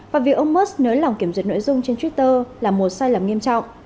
và việc ông musk nới lòng kiểm duyệt nội dung trên twitter là một sai lầm nghiêm trọng